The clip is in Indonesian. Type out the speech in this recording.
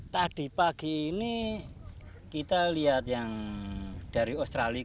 tadi pagi ini kita lihat yang dari australia